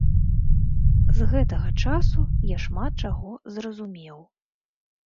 З гэтага часу я шмат чаго зразумеў.